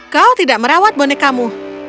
kau tidak merawat bonekamu